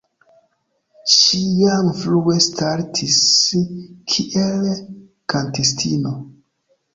Ŝi jam frue startis kiel kantistino.